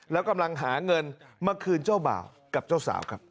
แล้วกำลังหาเงินมาคืนเจ้าบ่าวกับเจ้าสาวครับ